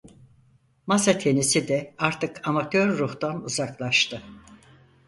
Masatenisi de artık amatör ruhtan uzaklaştı.